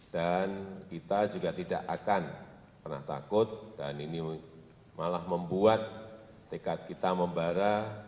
dan kita juga tidak akan pernah takut dan ini malah membuat tekad kita membara